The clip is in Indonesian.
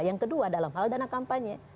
yang kedua dalam hal dana kampanye